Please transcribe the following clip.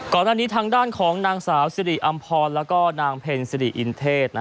ก่อนหน้านี้ทางด้านของนางสาวสิริอำพรแล้วก็นางเพ็ญสิริอินเทศ